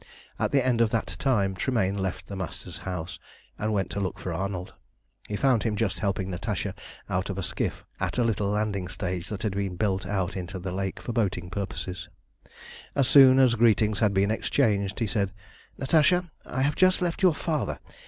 At the end of that time Tremayne left the Master's house and went to look for Arnold. He found him just helping Natasha out of a skiff at a little landing stage that had been built out into the lake for boating purposes. As soon as greetings had been exchanged, he said "Natasha, I have just left your father.